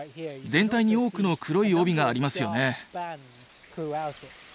全体に多くの黒い帯がありますよね。